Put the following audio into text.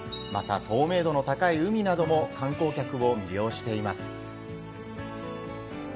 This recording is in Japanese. また、透明度の高い海なども観光客を魅了しています。